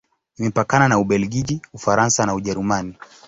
Imepakana na Ubelgiji, Ufaransa na Ujerumani.